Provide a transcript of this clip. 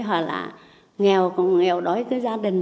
hoặc là nghèo còn nghèo đói cứ gia đình